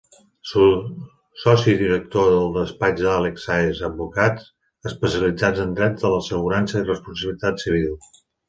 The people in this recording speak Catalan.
Soci- director del despatx Àlex Sáez advocats, especialitzats en Dret de l'assegurança i responsabilitat civil.